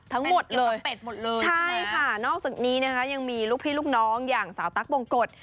ทั้งหมดเลยเป็ดหมดเลยใช่ค่ะนอกจากนี้นะคะยังมีลูกพี่ลูกน้องอย่างสาวตั๊กบงกฎ